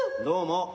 どうも。